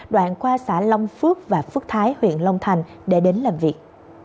đoạn qua xã long phước và phước thái huyện long thành để đến làm việc